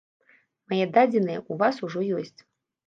Мае дадзеныя ў вас ужо ёсць.